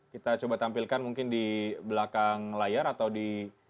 kita coba tampilkan mungkin di belakang layar atau di